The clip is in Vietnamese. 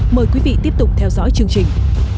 mời quý vị tiếp tục theo dõi chương trình